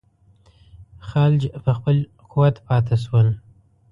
خلج په خپل قوت پاته شول.